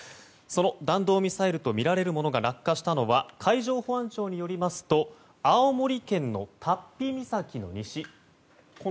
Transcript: その弾道ミサイルとみられるものが落下したのは海上保安庁によりますと青森県の竜飛岬の西